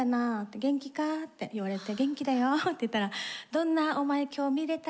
元気かぁ？」って言われて「元気だよ」って言ったら「どんなお前今日見れた？